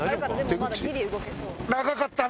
長かった！